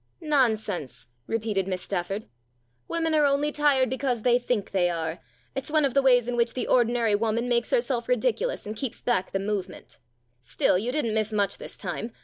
" Nonsense," repeated Miss Stafford. " Women are only tired because they think they are it's one of the ways in which the ordinary woman makes herself ridiculous and keeps back the move ment. Still, you didn't miss much this time.